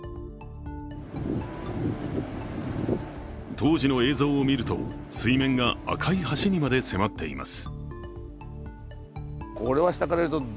当時の映像を見ると、水面が赤い橋にまで迫っています。